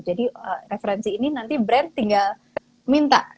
jadi referensi ini nanti brand tinggal minta